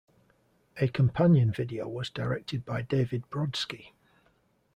A companion video was directed by David Brodsky.